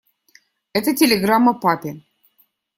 Это телеграмма папе.